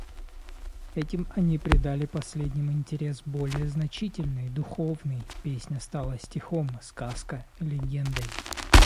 Этим они придали последним интерес более значительный, духовный; песня стала стихом, сказка легендой.